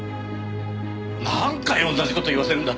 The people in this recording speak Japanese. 何回同じ事言わせるんだ！